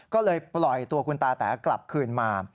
ก็เลยปล่อยตัวคุณตาแต๋กลับคืนมา